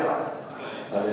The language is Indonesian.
ini yang perlu apa